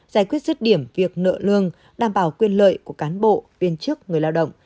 giải quyết rứt điểm việc nợ lương đảm bảo quyền lợi của cán bộ viên chức người lao động